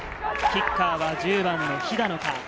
キッカーは１０番の肥田野か。